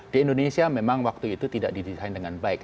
di indonesia memang waktu itu tidak didesain dengan baik